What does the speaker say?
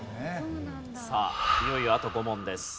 さあいよいよあと５問です。